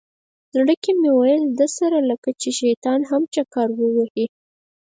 زړه کې مې ویل ده سره لکه چې شیطان هم چکر ووهي.